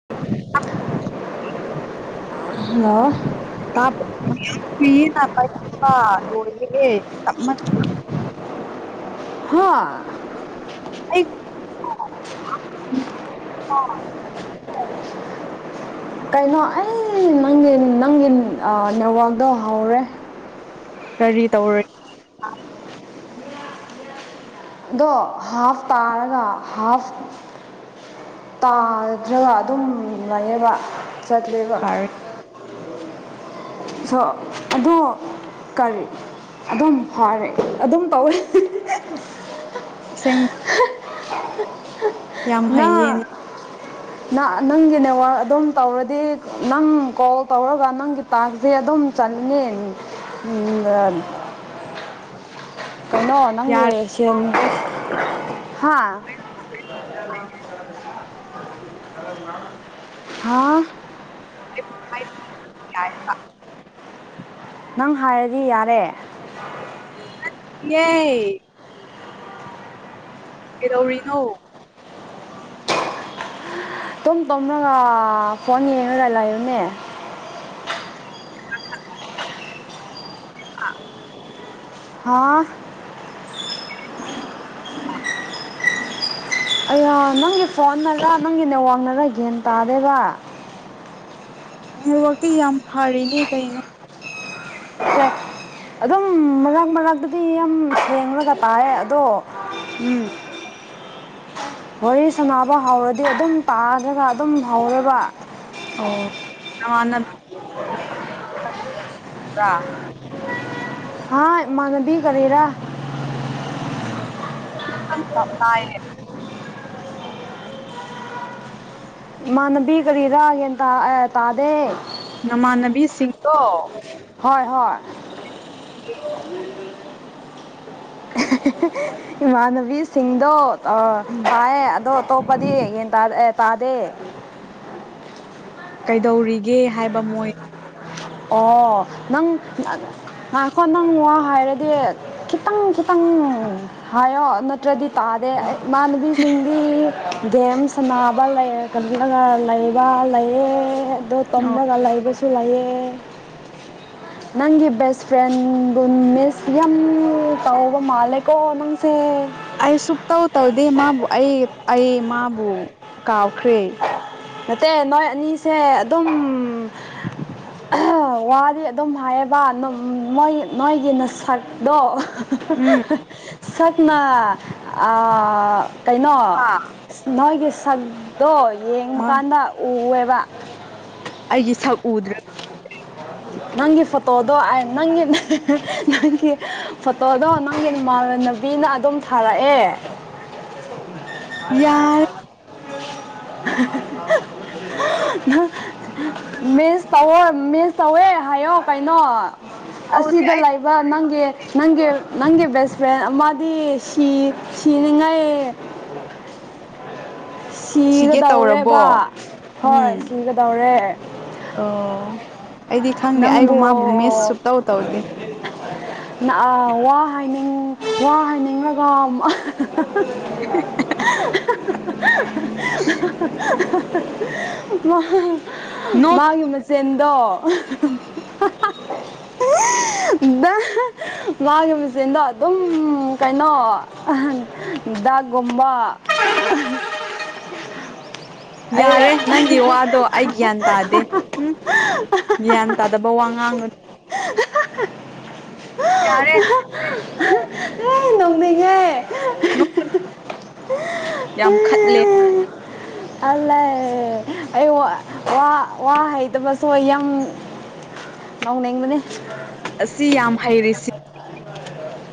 [unintelligible] hello ꯇꯥꯞ [unintelligible] ꯑꯥ ꯂꯣꯢꯔꯦꯍꯦ ꯇꯞꯃꯟꯒ꯭ꯔꯦ ꯍꯥ ꯑꯩ [unintelligible] ꯀꯩꯅꯣ ꯑꯩ ꯅꯪꯒꯤ ꯅꯪꯒꯤ ꯑ ꯅꯦꯠꯋꯥꯛꯗꯣ ꯍꯧꯔꯦ ꯀꯔꯤ ꯇꯧꯔꯦ ꯑꯗꯣ ꯍꯥꯐ ꯇꯥꯔꯒ ꯍꯥꯐ ꯇꯥꯗ꯭ꯔꯒ ꯑꯗꯨꯝ ꯂꯩꯌꯦꯕ ꯆꯠꯂꯦꯕ ꯐꯔꯦ ꯁꯣ ꯑꯗꯣ ꯀꯔꯤ ꯑꯗꯨꯝ ꯐꯔꯦ ꯑꯗꯨꯝ ꯇꯧꯋꯦ ꯑꯁꯦꯡ [unintelligible] ꯌꯥꯝ ꯅꯪ ꯍꯩꯌꯦꯅ ꯅꯪꯒꯤ ꯅꯦꯋꯔꯥꯛ ꯑꯗꯨꯝ ꯇꯧꯔꯗꯤ ꯅꯪ ꯀꯣꯜ ꯇꯧꯔꯒ ꯅꯪꯒꯤ ꯇ ꯁꯤ ꯑꯗꯨꯝ ꯆꯪꯉꯦ ꯀꯩꯅꯣ ꯌꯥꯔꯦ ꯅꯪꯒꯤ ꯁꯤꯃ ꯍꯥꯥ ꯍꯥꯥ [unintelligible] ꯅꯪ ꯍꯥꯏꯔꯗꯤ ꯌꯥꯔꯦ ꯌꯦ ꯀꯩꯗꯧꯔꯤꯅꯣ ꯇꯨꯝ ꯇꯨꯝꯔꯒ ꯐꯣꯟ ꯌꯦꯡꯉꯒ ꯂꯩꯥꯌꯨꯅꯦ ꯑ ꯍꯥꯥ [unintelligible] ꯑꯩꯌ ꯅꯪꯒꯤ ꯐꯣꯟꯅꯔ ꯅꯪꯒꯤ ꯅꯦꯋꯥꯡꯅꯔ ꯒꯌꯟ ꯇꯥꯗꯦꯕ ꯅꯦ ꯋꯥꯇꯤ ꯌꯥꯝ ꯐꯔꯤꯅꯦ ꯀꯩꯅꯣ ꯁꯦ ꯑꯗꯨꯝ ꯃꯔꯥꯡ ꯃꯔꯥꯡꯛꯇꯗꯤ ꯌꯥꯝ ꯊꯦꯡꯂꯒ ꯇꯥꯏ ꯑꯗꯣ ꯎꯝ ꯋꯥꯔꯤ ꯁꯥꯟꯅꯕ ꯍꯧꯔꯗꯤ ꯑꯗꯨꯝ ꯇꯥꯈꯒ ꯑꯗꯨꯝ ꯍꯧꯔꯦꯕ ꯑꯣ ꯅꯃꯥꯟꯅꯕꯤꯕ꯭ꯔꯥ ꯍꯥꯥ ꯏꯃꯟꯅꯕꯤ ꯀꯔꯤꯔ ꯇꯥꯏꯌꯦ ꯏꯃꯥꯟꯅꯕꯤ ꯀꯔꯤꯔ ꯒꯌꯥꯟ ꯇꯥ ꯑ ꯇꯥꯗꯦ ꯅꯃꯥꯟꯅꯕꯤꯁꯤꯡꯗꯣ ꯍꯣꯏ ꯍꯣꯏ ꯏꯃꯥꯟꯅꯕꯤꯁꯤꯡꯗꯣ ꯑ ꯎꯝ ꯇꯥꯏꯌꯦ ꯑꯗꯣ ꯑꯇꯣꯞꯄꯗꯤ ꯒꯌꯟ ꯇꯥꯗꯦ ꯀꯩꯗꯧꯔꯤꯒꯦ ꯍꯥꯏꯕ ꯃꯣꯏ ꯑꯣ ꯅꯪ ꯉꯥꯏꯈꯣ ꯅꯪ ꯋꯥ ꯍꯥꯏꯔꯗꯤ ꯈꯤꯇꯪ ꯈꯤꯇꯪ ꯎꯝ ꯍꯥꯏꯌꯣ ꯅꯠꯇ꯭ꯔꯗꯤ ꯇꯥꯗꯦ ꯏꯃꯥꯟꯅꯕꯤꯁꯤꯡꯗꯤ ꯗꯦꯝ ꯁꯤꯟꯟꯕ ꯂꯩꯕ ꯂꯩꯌꯦ ꯑꯗꯣ ꯑꯣ ꯇꯨꯝꯂꯒꯥ ꯂꯩꯕꯁꯨ ꯂꯩꯑꯦ [inaudible] ꯅꯪꯒꯤ ꯕꯦꯁ ꯐ꯭ꯔꯦꯟꯕꯨ ꯃꯤꯁ ꯌꯥꯝ ꯇꯧꯕ ꯃꯥꯜꯂꯦꯀꯣ ꯅꯪꯁꯦ ꯑꯩ ꯁꯨꯛꯇꯧ ꯇꯧꯗꯦ ꯃꯥꯕꯨ ꯑꯩ ꯑꯩ ꯃꯥꯕꯨ ꯀꯥꯎꯈ꯭ꯔꯦ ꯅꯠꯇꯦ ꯅꯣꯏ ꯑꯅꯤꯁꯦ ꯑꯗꯨꯝ ꯋꯥꯗꯤ ꯑꯗꯨꯝ ꯍꯥꯏꯌꯦꯕ ꯃꯣꯏ ꯅꯣꯏꯒꯤ ꯅꯁꯛꯗꯣ ꯎꯝ ꯁꯛꯅ ꯑꯥ ꯀꯩꯅꯣ ꯍꯣꯏ ꯅꯣꯏꯒꯤ ꯁꯛꯗꯣ ꯌꯦꯡꯕ ꯀꯥꯟꯗ ꯎꯋꯦꯕ ꯑꯩꯒꯤ ꯁꯛ ꯎꯗ꯭ꯔ ꯅꯪꯒꯤ ꯐꯣꯇꯣꯗꯣ ꯑꯩ ꯅꯪꯒꯤ ꯅꯪꯒꯤ ꯐꯣꯇꯣꯗꯣ ꯅꯪꯒꯤ ꯅꯃꯥꯟꯅꯕꯤꯅ ꯑꯗꯨꯝ ꯊꯥꯔꯛꯑꯦ ꯌꯥꯔꯦ ꯅꯪ ꯃꯤꯁ ꯇꯧꯋꯦ ꯃꯤꯁ ꯇꯧꯋꯦ ꯍꯥꯏꯌꯣ ꯀꯩꯅꯣ ꯇꯧꯗꯦ ꯑꯁꯤꯗ ꯑꯩ ꯂꯩꯥꯕ ꯅꯪꯒꯤ ꯅꯪꯒꯤ ꯅꯪꯒꯤ ꯕꯦꯁ ꯐ꯭ꯔꯦꯟ ꯑꯃꯗꯤ ꯁꯤ ꯁꯤꯅꯤꯉꯩ [inaudible] ꯁꯤꯒꯦ ꯇꯧꯔꯕꯣ ꯁꯤꯒꯗꯧꯔꯦꯕ ꯎꯝ ꯍꯣꯏ ꯁꯤꯒꯗꯧꯔꯦ ꯑꯣ ꯑꯩꯗꯤ ꯈꯪꯗꯦ ꯑꯩꯕꯨ ꯅꯪꯕꯨ ꯃꯥꯕꯨ ꯃꯤꯁ ꯁꯨꯛꯇꯧ ꯇꯧꯗꯦ ꯅꯑꯥ ꯋꯥ ꯍꯥꯏꯅꯤꯡ ꯋꯥ ꯍꯥꯏꯅꯤꯡꯉꯒ [unintelligible] ꯅꯣ [unintelligible] ꯃꯥꯒꯤ ꯃꯆꯤꯟꯗꯣ [unintelligible] ꯃꯥꯒꯤ ꯃꯆꯤꯟꯗꯣ ꯑꯗꯨꯝ ꯀꯩꯅꯣ ꯗꯥꯛꯒꯨꯝꯕ ꯑꯩ ꯌꯥꯔꯦ ꯅꯪꯒꯤ ꯋꯥꯗꯣ ꯑꯩ ꯒ꯭ꯌꯥꯟ ꯇꯥꯗꯦ ꯍꯝ ꯒ꯭ꯌꯥꯟ ꯇꯥꯗꯕ ꯋꯥ ꯉꯥꯡꯒ [unintelligible] ꯌꯥꯔꯦ ꯅꯣꯛꯅꯤꯡꯉꯦ ꯅꯣꯛꯀꯅꯨ ꯌꯥꯝ ꯈꯠꯂꯦ ꯑꯜꯂꯦ ꯑꯩ ꯋꯥ ꯋꯥ ꯋꯥ ꯍꯩꯗꯕꯁꯨ ꯌꯥꯝ ꯎꯝ ꯂꯥꯎꯅꯤꯡꯕꯅꯦ ꯑꯁꯤ ꯌꯥꯝ ꯍꯩꯔꯤꯁꯤ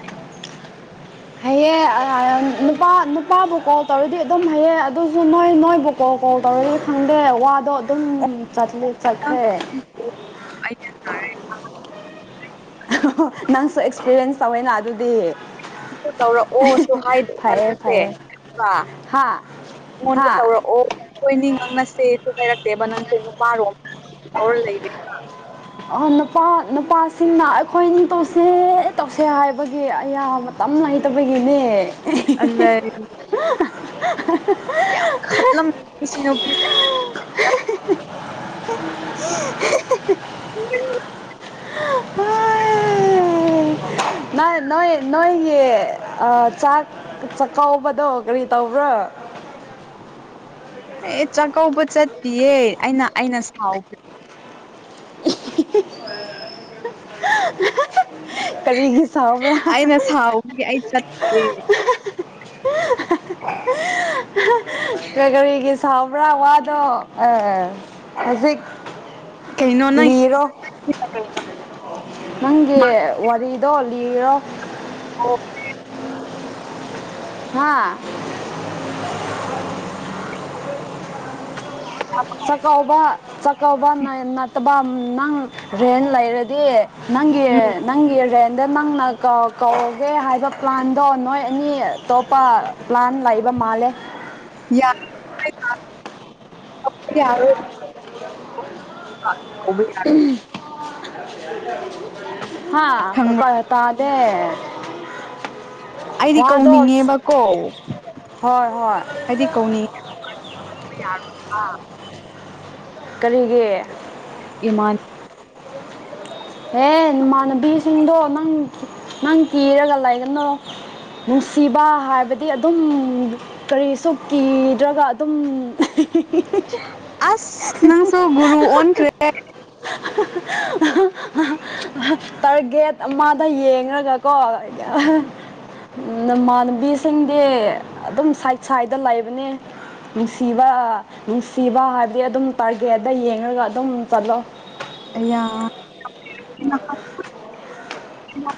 [unintelligible] ꯍꯩꯌꯦ ꯑꯥ ꯅꯨꯄꯥ ꯅꯨꯄꯥꯕꯨ ꯀꯣꯜ ꯇꯧꯔꯗꯤ ꯑꯗꯨꯝ ꯍꯩꯌꯦ ꯑꯗꯨꯁꯨ ꯃꯣꯏ ꯃꯣꯏꯕꯨ ꯀꯣ ꯀꯣꯜ ꯇꯧꯔꯒ ꯈꯪꯗꯦ ꯋꯥꯗꯣ ꯑꯗꯨꯝ ꯆꯠꯂꯦ ꯆꯠꯈ꯭ꯔꯦ ꯑꯩ ꯒ꯭ꯌꯥꯟ ꯇꯥꯔꯦ [unintelligible] ꯅꯪꯁꯨ ꯑꯦꯛꯁꯄꯤꯔꯤꯌꯦꯟꯁ ꯇꯧꯋꯦꯅ ꯑꯗꯨꯗꯤ ꯀꯣꯜ ꯇꯧꯔꯛꯑꯣꯁꯨ ꯍꯥꯏꯗꯦꯕ ꯐꯩꯌꯦ ꯅꯪꯁꯦ ꯐꯩꯌꯦ [unintelligible] ꯍꯥ ꯑꯩꯉꯣꯟꯗ ꯍꯥ ꯇꯧꯔꯛꯑꯣ ꯑꯈꯣꯏꯅꯤ ꯉꯥꯡꯅꯁꯦꯁꯨ ꯍꯥꯏꯔꯛꯇꯦꯕ ꯅꯪꯁꯦ ꯅꯨꯄꯥꯔꯣꯝ ꯀꯧꯔ ꯂꯩꯔꯤꯅ ꯑꯣ ꯅꯨꯄꯥ ꯅꯨꯄꯥꯁꯤꯡꯅ ꯑꯩꯈꯣꯏ ꯅꯤ ꯇꯧꯁꯦ ꯇꯧꯁꯦ ꯍꯥꯏꯕꯒꯤ ꯑꯌꯥꯕ ꯃꯇꯝ ꯂꯩ ꯇꯕꯒꯤꯅꯦ [unintelligible] ꯌꯥꯝ ꯈꯠꯂꯝ ꯁꯤ ꯅꯨꯄꯤꯁꯦ [unintelligible] [unintelligible] ꯅ ꯅꯣꯏ ꯅꯣꯏꯒꯤ ꯆꯥꯛ ꯆꯥꯛꯀꯧꯕꯗꯣ ꯀꯔꯤ ꯇꯧꯕ꯭ꯔꯣ [inaudible] ꯑꯦ ꯑꯩ ꯆꯥꯛꯀꯧꯕ ꯆꯠꯇꯤꯌꯦ ꯑꯩꯅ ꯑꯩꯅ ꯁꯥꯎꯕ [unintelligible] ꯀꯔꯤꯒꯤ ꯁꯥꯎꯕ꯭ꯔꯥ ꯑꯩꯅ ꯁꯥꯎꯕꯒꯤ ꯑꯩ ꯆꯠꯇꯦ [unintelligible] ꯀ ꯀꯔꯤꯒꯤ ꯁꯥꯎꯕ꯭ꯔꯥ ꯋꯥꯗꯣ ꯑ ꯍꯖꯤꯛ ꯀꯩꯅꯣ ꯅꯪ ꯁꯤꯅ ꯀꯩꯅꯣ ꯗꯣ ꯂꯤꯔꯣ [inaudible] ꯍꯥꯥ [unintelligible] ꯆꯥꯛꯀꯧꯕ ꯆꯥꯛꯀꯧꯕ [unintelligible] ꯅꯠꯇꯕ ꯅꯪ ꯔꯦꯟ ꯂꯩꯔꯗꯤ ꯅꯪꯒꯤ ꯎꯝ ꯅꯪꯒꯤ ꯔꯦꯟꯗ ꯅꯪꯅ [unintelligible] ꯀꯧꯒꯦ ꯍꯥꯏꯕ ꯄ꯭ꯂꯥꯟꯗꯣ ꯅꯣꯏ ꯑꯅꯤ ꯑꯇꯣꯞꯄ ꯄ꯭ꯂꯥꯟ ꯂꯩꯕ ꯃꯥꯜꯂꯦ [unintelligible] ꯌꯥꯔꯣꯏ [unintelligible] ꯍꯥꯥ ꯈꯪꯕ꯭ꯔꯥ [unintelligible] ꯇꯥ ꯗꯦ ꯑꯩꯗꯤ ꯀꯧꯅꯤꯡꯉꯦꯕꯀꯣ ꯍꯣꯏ ꯍꯣꯏ ꯑꯩꯗꯤ ꯀꯧꯅꯤꯡꯉꯦ [unintelligible] ꯀꯧꯕ ꯌꯥꯔꫭꯏꯕ ꯀꯔꯤꯒꯤ ꯏꯃꯥꯟ ꯍꯦ ꯅꯃꯥꯟꯅꯕꯤꯁꯤꯡꯗꯣ ꯅꯪ ꯅꯪ ꯀꯤꯔꯒ ꯂꯩꯒꯅꯨ ꯅꯨꯡꯁꯤꯕ ꯍꯥꯏꯕꯗꯤ ꯑꯗꯨꯝ ꯀꯔꯤꯁꯨ ꯀꯤꯗ꯭ꯔꯒ ꯑꯗꯨꯝ [unintelligible] ꯑꯥꯁ ꯅꯪꯁꯨ ꯒꯨꯔꯨ ꯑꯣꯟꯈ꯭ꯔꯦ [unintelligible] ꯇꯥꯔꯒꯦꯠ ꯑꯃꯗ ꯌꯦꯡꯔꯒꯀꯣ [unintelligible] ꯎꯝ ꯅꯃꯥꯟꯅꯕꯤꯁꯤꯡꯗꯤ ꯑꯗꯨꯝ ꯁꯥꯏꯠ ꯁꯥꯏꯠꯇ ꯂꯩꯕꯅꯦ ꯅꯨꯡꯁꯤꯕ ꯅꯨꯡꯁꯤꯕ ꯍꯥꯏꯕꯗꯤ ꯑꯗꯨꯝ ꯇꯥꯔꯒꯦꯠꯗ ꯌꯦꯡꯉꯒ ꯑꯗꯨꯝ ꯆꯠꯂꯣ ꯑꯩꯌꯥ [unintelligible]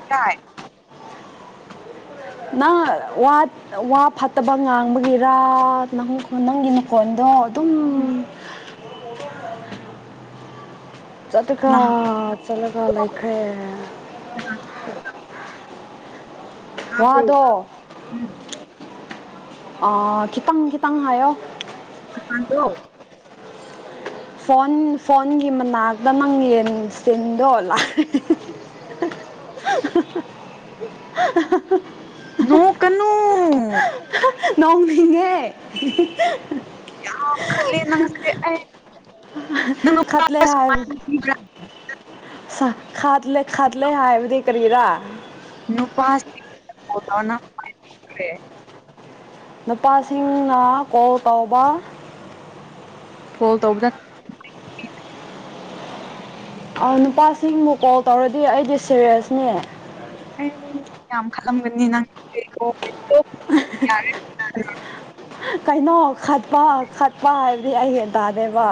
ꯀꯔꯤ ꯀꯥꯏ ꯅꯪ ꯋꯥꯠ ꯋꯥ ꯐꯠꯇꯕ ꯉꯥꯡꯕꯒꯤꯔ ꯅꯪ ꯅꯪꯒꯤ ꯅꯈꯣꯟꯗꯣ ꯑꯗꯨꯝ [unintelligible] [inaudible] [unintelligible] ꯅꯍꯥꯟ ꯆꯠꯂꯒ ꯂꯩꯈ꯭ꯔꯦ ꯇꯥꯕ꯭ꯔꯣ ꯋꯥꯗꯣ ꯎꯝ ꯑꯥ ꯈꯤꯇꯪ ꯈꯤꯇꯪ ꯍꯥꯏꯌꯣ ꯇꯥꯗ꯭ꯔꯣ ꯐꯣꯟ ꯐꯣꯟꯒꯤ ꯃꯅꯥꯛꯇ ꯅꯪ ꯌꯦꯟ ꯁꯤꯟꯗꯣ ꯂꯥꯛ‌ [unintelligible] [unintelligible] ꯅꯣꯛꯀꯅꫭ ꯅꯣꯛꯅꯤꯡꯉꯦ [unintelligible] ꯌꯥꯝ ꯈꯠꯂꯦ ꯅꯪꯁꯦ ꯑꯩ ꯅꯪ ꯈꯠꯂꯦ [unintelligible] [unintelligible] ꯈꯥꯠꯂꯦ ꯈꯠꯂꯦ ꯍꯥꯏꯕꯗꯤ ꯀꯔꯤꯔ ꯅꯨꯄꯥꯥꯁꯤꯡꯅ ꯀꯣꯜ ꯇꯧꯔ ꯅꯪ ꯄꯥꯏꯕꯤꯗ꯭ꯔꯦ ꯅꯨꯄꯥꯁꯤꯡꯅ ꯀꯣꯜ ꯇꯧꯕ ꯀꯣꯜ ꯇꯧꯕꯗ [unintelligible] ꯑꯥꯎ‌ ꯅꯨꯄꯥꯁꯤꯡꯅ ꯀꯣꯜ ꯇꯧꯔꯗꯤ ꯑꯩꯗꯤ ꯁꯤꯔ꯭ꯌꯁꯅꯦ ꯑꯩ [unintelligible] ꯌꯥꯝ ꯈꯠꯂꯝꯒꯅꯤ [unintelligible] [unintelligible] ꯀꯩꯅꯣ ꯈꯠꯄ ꯈꯠꯄ ꯍꯥꯏꯕꯗꯤ ꯑꯩ ꯌꯥꯟ ꯇꯥꯗꯦꯕ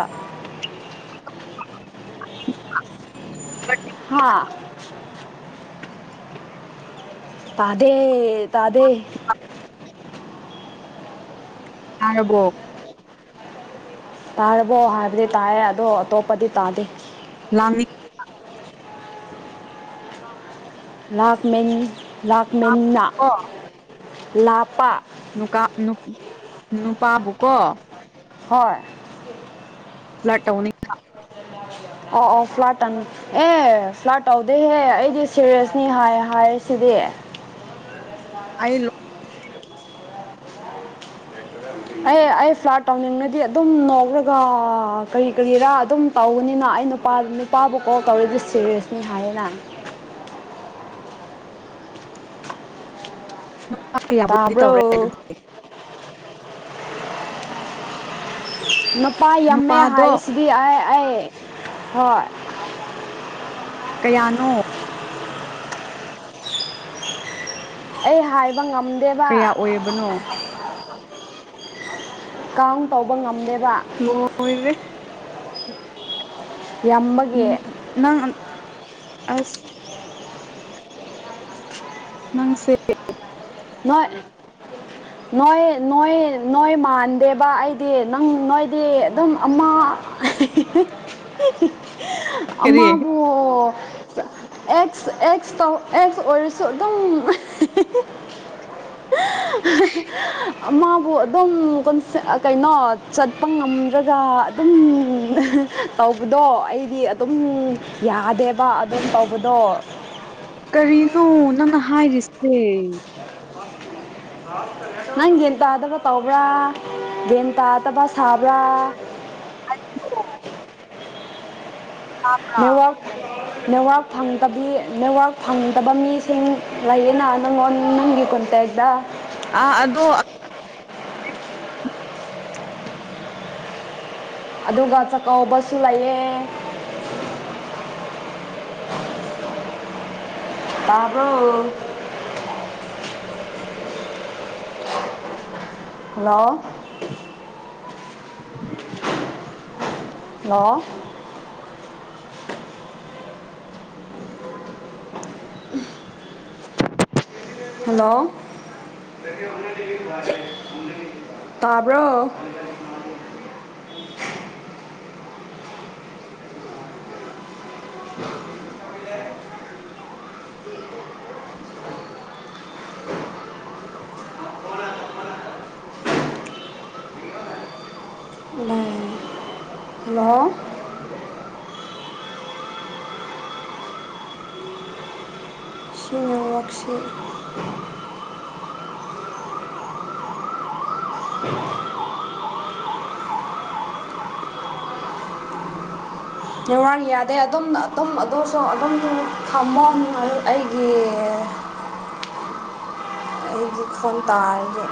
ꯍꯥꯥ ꯇꯥꯗꯦ ꯇꯥꯗꯦ ꯇꯥꯔꯕꯣ ꯇꯥꯔꯕꯣ ꯍꯥꯏꯕꯗꯤ ꯇꯥꯏꯌꯦ ꯑꯗꯣ ꯑꯇꯣꯞꯄꯗꯤ ꯇꯥꯗꯦ ꯂꯥꯡꯅꯤ ꯂꯥꯛꯃꯦꯟ ꯂꯥꯛꯃꯦꯟꯅ ꯂꯥꯛꯄꯥ ꯅꯨꯡ ꯀꯄ ꯅꯨ ꯅꯨꯄꯥꯕꯨꯀꯣ ꯍꯣꯏ ꯐ꯭ꯂꯥꯠ ꯇꯧꯅꯤꯡꯕ ꯑꯣ ꯑꯣ ꯐ꯭ꯂꯥꯠ ꯇꯥꯅꯨ ꯑꯦ ꯐ꯭ꯂꯥꯠ ꯇꯧꯗꯦꯍꯦ ꯑꯩꯗꯤ ꯁꯦꯔꯤꯌꯁꯅꯤ ꯍꯥꯏ ꯍꯥꯏ ꯁꯤꯗꯤ ꯑꯩ ꯂꯣ ꯑꯩ ꯑꯩ ꯐ꯭ꯂꯥꯠ ꯇꯧꯅꯤꯡꯉꯗꯤ ꯑꯗꯨꯝ ꯅꯧꯔꯒ ꯀꯔꯤ ꯀꯔꯤꯔꯥ ꯑꯗꯨꯝ ꯇꯧꯒꯅꯤ ꯅ ꯑꯩ ꯅꯨꯄꯥ ꯅꯨꯄꯥꯕꯨ ꯀꯣꯜ ꯇꯧꯔꯗꯤ ꯁꯤꯦꯔꯤꯌꯁꯅꯤ ꯍꯥꯏꯌꯦꯅ [inaudible] ꯅꯨꯄ ꯀꯌꯥꯕꯨꯗꯤ ꯇꯧꯔꯦ ꯇꯥꯕ꯭ꯔꯣ ꯑꯗꯨꯗꯤ ꯅꯨꯄꯥ ꯌꯥꯝꯃꯦ ꯅꯨꯄꯥꯗꯣ ꯍꯥꯏꯔꯤꯁꯤꯗꯤ ꯑꯩ ꯑꯩ ꯍꯣꯏ ꯀꯌꯥꯅꯣ ꯑꯩ ꯍꯥꯏꯕ ꯉꯝꯗꯦꯕ ꯀꯌꯥ ꯑꯣꯏꯔꯕꯅꯣ ꯀꯥꯎꯟ ꯇꯧꯕ ꯉꯝꯗꯦ ꯂꯣꯏꯔꯦ ꯎꯝ ꯌꯥꯝꯕꯒꯤ ꯅꯪ ꯑꯁ ꯅꯪꯁꯦ ꯅꯣꯏ ꯅꯣꯏ ꯅꯣꯏ ꯅꯣꯏ ꯃꯥꯟꯗꯦꯕ ꯑꯩꯗꯤ ꯅꯪ ꯅꯣꯏꯗꯤ ꯑꯗꯨꯝ ꯑꯃ ꯀꯔꯤ ꯑꯃꯕꯨ ꯑꯦꯛꯁ ꯑꯦꯛꯁ ꯇꯣ ꯑꯦꯛꯁ ꯑꯣꯏꯔꯁꯨ ꯑꯗꯨꯝ [inaudible] ꯃꯥꯕꯨ ꯑꯗꯨꯝ ꯀꯩꯅꯣ ꯆꯠꯄ ꯉꯝꯗ꯭ꯔꯒ ꯑꯗꯨꯝ ꯇꯧꯕꯗꯣ ꯑꯩꯗꯤ ꯑꯗꯨꯝ ꯌꯥꯗꯦꯕ ꯑꯗꯨꯝ ꯇꯧꯕ ꯕꯗꯣ ꯀꯔꯤꯅꯣ ꯅꯪꯅ ꯍꯥꯏꯔꯤꯁꯦ ꯅꯪ ꯒꯌꯥꯟ ꯇꯥꯗꯕ ꯇꯧꯕ꯭ꯔꯥ ꯒꯌꯥꯟ ꯇ ꯇꯗꯕꯥ ꯁꯥꯕ꯭ꯔꯥ ꯇꯥꯕ꯭ꯔꯥ ꯅꯦꯠꯋꯥꯥꯛ ꯅꯦꯠꯋꯥꯛ ꯐꯪꯗꯕꯤ ꯅꯦꯠꯋꯥꯛ ꯐꯪꯗꯕ ꯃꯤꯁꯤꯡ ꯂꯩꯌꯦꯅ ꯅꯪꯉꯣꯟ ꯅꯪꯒꯤ ꯀꯣꯟꯇꯔꯗ ꯑ ꯑꯗꯣ ꯑꯗꯨꯒ ꯆꯥꯛꯀꯧꯕꯁꯨ ꯂꯩꯌꯦ [inaudible] ꯇꯥꯕ꯭ꯔꯣ ꯍꯜꯂꯣ ꯍꯜꯂꯣ [inaudible] ꯍꯜꯂꯣ ꯇꯥꯕ꯭ꯔꯣ [inaudible] [unintelligible] ꯍꯂꯣ ꯁꯤꯒꯤ ꯅꯦꯠꯋꯥꯛꯁꯤ [unintelligible] ꯅꯦꯠꯋꯥꯛ ꯌꯥꯗꯦ ꯑꯗꯨꯝ ꯑꯗꯨꯝ ꯑꯗꯨꯁꯨ ꯑꯗꯨꯝ ꯊꯝꯃꯣ ꯑꯩꯒꯤ [inaudible] ꯑꯩꯒꯤ ꯐꯣꯜ ꯇꯥꯔꯦ